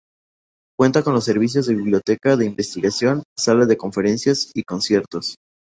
Cuenta con los servicios de biblioteca de investigación, sala de conferencias y conciertos.